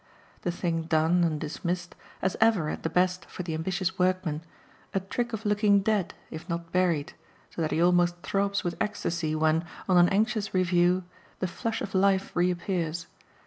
The thing done and dismissed has ever, at the best, for the ambitious workman, a trick of looking dead, if not buried, so that he almost throbs with ecstasy when, on an anxious review, the flush of life reappears.